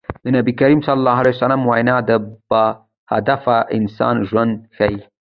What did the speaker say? د نبي کريم ص وينا د باهدفه انسان ژوند ښيي.